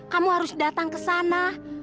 kamu harus datang ke sana